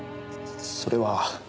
それは。